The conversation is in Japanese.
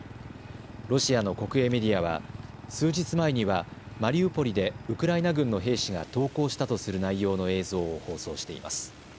ロシアの国営メディアは数日前にはマリウポリでウクライナ軍の兵士が投降したとする内容の映像を放送しています。